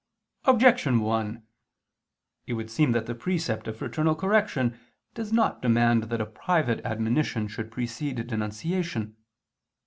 Objection 1: It would seem that the precept of fraternal correction does not demand that a private admonition should precede denunciation.